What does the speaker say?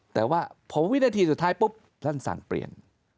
แต่ว่าพอวินาทีสุดท้ายปุ๊บท่านสั่งเปลี่ยน